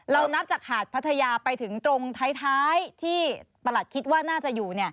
นับจากหาดพัทยาไปถึงตรงท้ายที่ประหลัดคิดว่าน่าจะอยู่